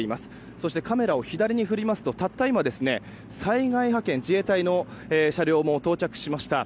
そしてカメラを左に振りますとたった今、災害派遣の自衛隊の車両も到着しました。